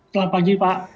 selamat pagi pak